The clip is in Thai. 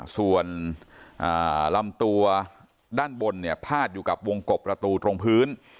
ส่วนลำตัวด้านบนเนี่ยพาดอยู่กับวงกบประตูตรงพื้น